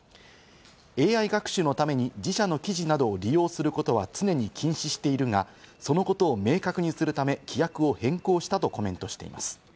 ＡＩ学習のために自社の記事などを利用することは常に禁止しているが、そのことを明確にするため、規約を変更したとコメントしています。